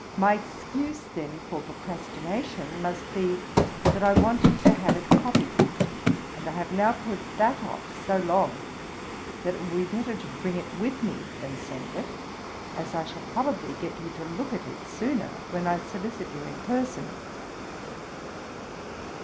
My excuse then for procrastination must be, that I wanted to have it copied; and I have now put that off so long, that it will be better to bring it with me than send it, as I shall probably get you to look at it sooner, when I solicit you in person.